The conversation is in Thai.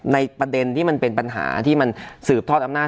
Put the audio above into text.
ในประเด็นที่มันเป็นปัญหาที่มันสืบทอดอำนาจ